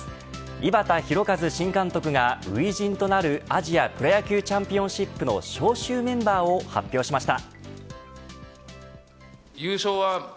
井端弘和新監督が初陣となるアジアプロ野球チャンピオンシップの招集メンバーを発表しました。